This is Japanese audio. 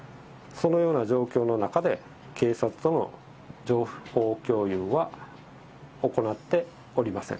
そのような状況の中で、警察との情報共有は行っておりません。